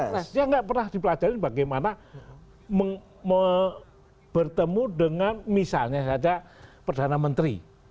dia nggak pernah dipelajarin bagaimana bertemu dengan misalnya saja perdana menteri